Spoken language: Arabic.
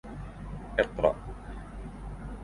اقرأ!